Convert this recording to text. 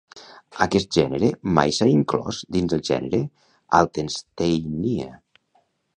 "Aquest gènere mai s'ha inclòs dins el gènere ""Altensteinia""."